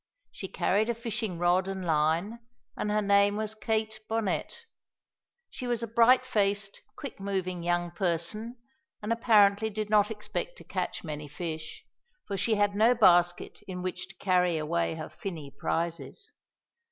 She carried a fishing rod and line, and her name was Kate Bonnet. She was a bright faced, quick moving young person, and apparently did not expect to catch many fish, for she had no basket in which to carry away her finny prizes.